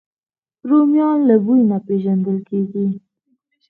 رومیان له بوی نه پېژندل کېږي